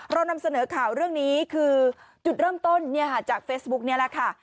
เรานำเสนอข่าวเรื่องนี้คือจุดเริ่มต้นจากเฟซบุ๊กนี้แหละค่ะ